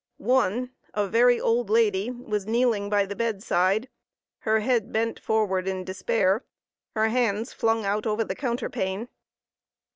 One a very old lady was kneeling by the bedside, her head bent forward in despair, her hands flung out over the counterpane.